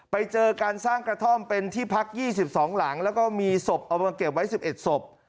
ไปเจอการสร้างกระท่อมเป็นที่พัก๒๒หลังแล้วก็มีศพเอามาเก็บไว้๑๑ศพ